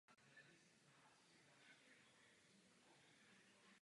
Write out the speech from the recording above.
Také Evropský parlament včera odhlasoval zvýšení pomoci.